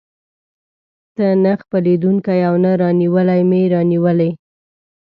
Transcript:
ته نه خپلېدونکی او نه رانیولى مې راونیولې.